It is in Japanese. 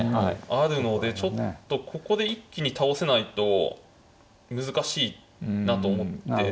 あるのでちょっとここで一気に倒せないと難しいなと思って。